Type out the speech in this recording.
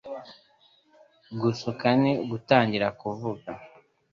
Gusuka ni Gutangira kuvuga